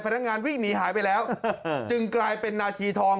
พนักงานวิ่งหนีหายไปแล้วจึงกลายเป็นนาทีทอง